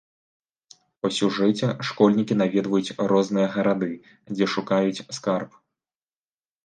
Па сюжэце школьнікі наведваюць розныя гарады, дзе шукаюць скарб.